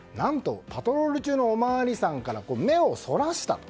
パトロール中のお巡りさんから目をそらしたと。